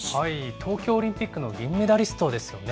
東京オリンピックの銀メダリストですよね。